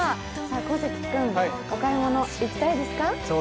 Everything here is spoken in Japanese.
小関君、お買い物行きたいですか？